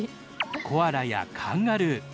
コアラやカンガルー。